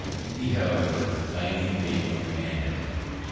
He, however, kindly made no demand of it.